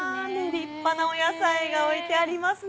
立派な野菜が置いてありますね。